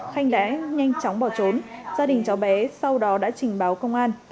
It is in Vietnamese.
khanh đã nhanh chóng bỏ trốn gia đình cháu bé sau đó đã trình báo công an